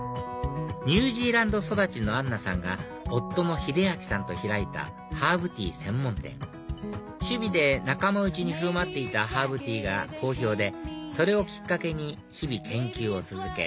ニュージーランド育ちのアンナさんが夫の秀明さんと開いたハーブティー専門店趣味で仲間内に振る舞っていたハーブティーが好評でそれをきっかけに日々研究を続け